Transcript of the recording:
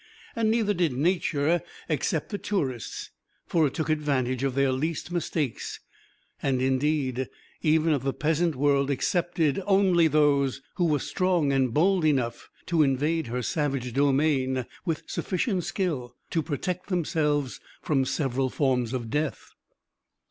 And neither did Nature accept the tourists, for it took advantage of their least mistakes, and indeed, even of the peasant world "accepted" only those who were strong and bold enough to invade her savage domain with sufficient skill to protect themselves from several forms of death.